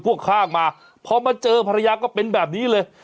ข้างมาพอมาเจอภรรยาก็เป็นแบบนี้เลย